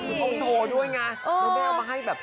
คือต้องโชว์ด้วยไงคุณแม่เอามาให้แบบ